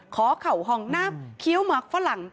เข่าห้องน้ำเคี้ยวหมักฝรั่ง